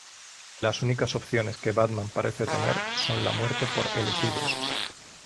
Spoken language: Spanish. Las únicas opciones que Batman parece tener son la muerte por elegidos.